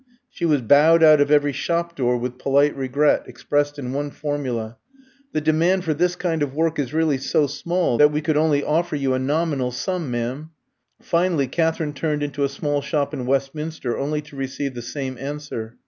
She was bowed out of every shop door with polite regret, expressed in one formula: "The demand for this kind of work is really so small that we could only offer you a nominal sum, madam." Finally, Katherine turned into a small shop in Westminster, only to receive the same answer.